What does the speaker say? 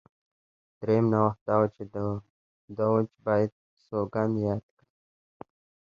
درېیم نوښت دا و چې دوج باید سوګند یاد کړی وای